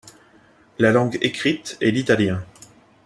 La langue écrite est l'italien.